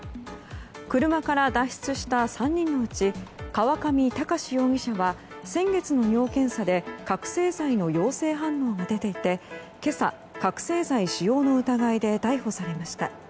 車から脱出した３人のうち川上崇司容疑者は先月の尿検査で覚醒剤の陽性反応が出ていて今朝、覚醒剤使用の疑いで逮捕されました。